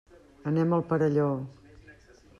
Anem al Perelló.